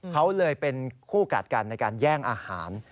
เขาเลยเป็นคู่กัดกันในการแย่งอาหาร